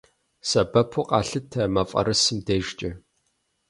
Сэбэпу къалъытэ мафӏэрысым дежкӏэ.